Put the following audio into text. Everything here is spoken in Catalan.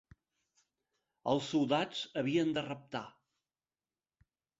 Els soldats havien de reptar.